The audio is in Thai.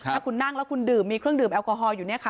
ถ้าคุณนั่งแล้วคุณดื่มมีเครื่องดื่มแอลกอฮอลอยู่เนี่ยค่ะ